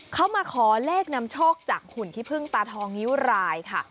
เขามาขอเลขนำโชคจากหุ่นขี้พึ่งตาทองนิ้วรายค่ะ